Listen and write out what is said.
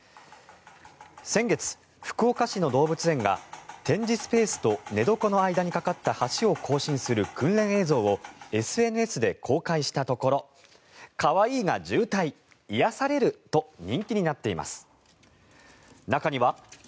先月、福岡市の動物園が展示スペースと寝床の間に架かった橋を行進する訓練映像をＳＮＳで公開したところ可愛いが渋滞癒やされると人気になっています。